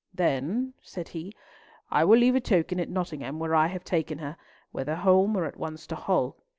"Then," said he, "I will leave a token at Nottingham where I have taken her; whether home or at once to Hull.